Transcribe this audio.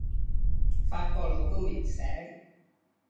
法國佬都未醒